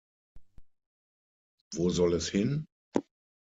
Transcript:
Wo soll es hin?